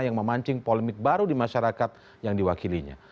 dan mengancing polemik baru di masyarakat yang diwakilinya